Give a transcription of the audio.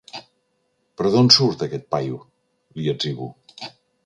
Però d'on surt aquest paio? —li etzibo.